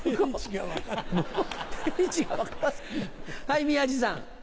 はい宮治さん。